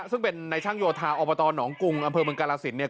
ซึ่งเป็นนายช่างโยธาอหนองกุงอเมืองกาลสินเนี่ย